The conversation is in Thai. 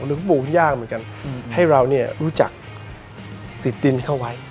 หรือปู่ย่างเหมือนกันให้เราเนี่ยรู้จักติดดินเข้าไว้